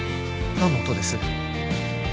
何の音です？